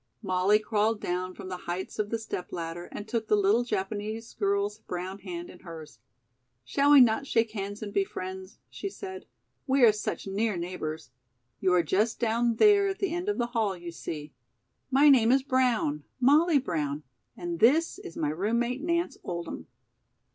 Molly crawled down from the heights of the step ladder and took the little Japanese girl's brown hand in hers. "Shall we not shake hands and be friends?" she said. "We are such near neighbors. You are just down there at the end of the hall, you see. My name is Brown, Molly Brown, and this is my roommate, Nance Oldham."